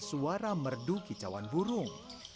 suara merdu kicauan burung